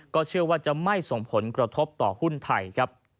เชื่อว่าจะไม่ส่งผลกระทบต่อหุ้นไทยครับ